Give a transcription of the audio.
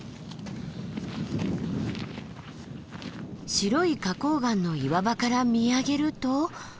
白い花崗岩の岩場から見上げると。